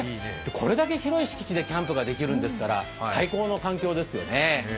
これだけ広い敷地でキャンプができるわけですから最高の環境ですね。